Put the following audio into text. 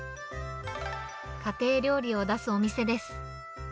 家庭料理を出すお店です。